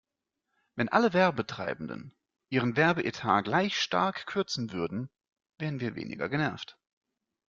Wenn alle Werbetreibenden ihren Werbeetat gleich stark kürzen würden, wären wir weniger genervt.